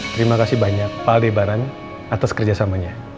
terima kasih banyak pak debaran atas kerjasamanya